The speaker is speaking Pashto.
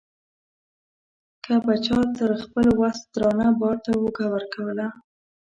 که به چا تر خپل وس درانه بار ته اوږه ورکوله.